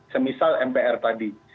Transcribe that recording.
semisal mpr tadi